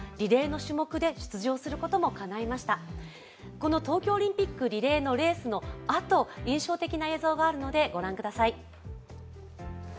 この東京オリンピックリレーのレースのあと印象的な映像があるのでご覧ください。